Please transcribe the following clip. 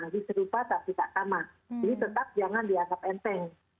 jadi tetap jangan dianggap enteng